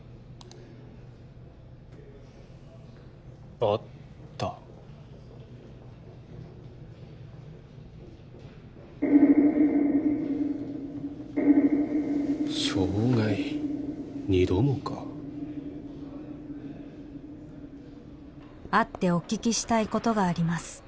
あった傷害２度もか「会ってお聞きしたいことがあります」